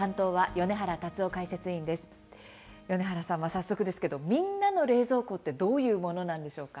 米原さん、早速ですけれどもみんなの冷蔵庫ってどういうものなんでしょうか。